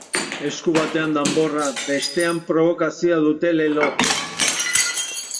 Esku batean danborra, bestean probokazioa dute lelo.